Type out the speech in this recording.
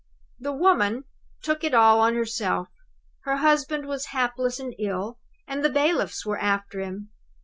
The woman took it all on herself. Her husband was helpless and ill, and the bailiffs were after him.